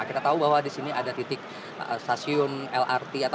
kita tahu bahwa di sini ada titik stasiun lrt